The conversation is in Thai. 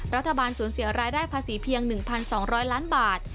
รัฐบาลสูญเสียรายได้ภาษีเพียง๑๒๐๐ล้านบาท